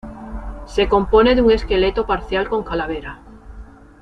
Se compone de un esqueleto parcial con calavera.